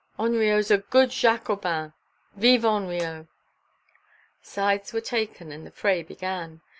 "Hanriot's a good Jacobin! Vive Hanriot!" Sides were taken, and the fray began.